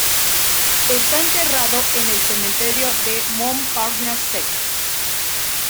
Está enterrado en el cementerio de Montparnasse.